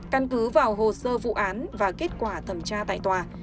căn cứ vào hồ sơ vụ án và kết quả thẩm tra tại tòa